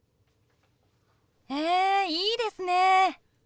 へえいいですね。